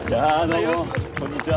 こんにちは。